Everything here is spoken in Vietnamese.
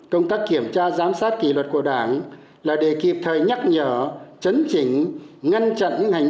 công tác kiểm tra giám sát kỷ luật của đảng là để kịp thời nhắc nhở chấn chỉnh